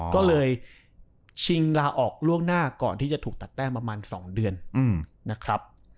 ก็เลยชิงลาออกล่วงหน้าก่อนที่จะถูกตัดแต้มประมาณ๒เดือนนะครับ